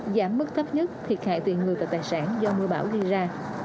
giảm mức thấp nhất thiệt hại tuyển người và tài sản do mưa bão ghi ra